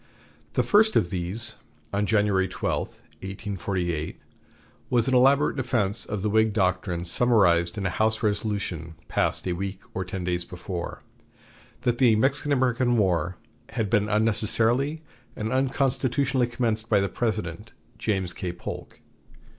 The first of these, on January 12, 1848, was an elaborate defense of the Whig doctrine summarized in a House resolution passed a week or ten days before, that the Mexican War "had been unnecessarily and unconstitutionally commenced by the President," James K. Polk.